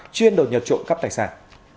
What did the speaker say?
chuyên đột nhập trộm cắp tài sản